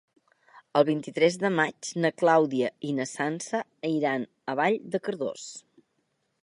El vint-i-tres de maig na Clàudia i na Sança iran a Vall de Cardós.